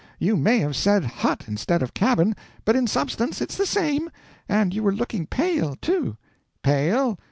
You may have said hut instead of cabin, but in substance it's the same. And you were looking pale, too." "Pale?